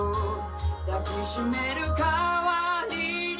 抱きしめるかわりに